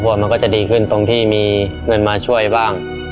มันก็จะดีขึ้นตรงที่มีเงินมาช่วยบ้าง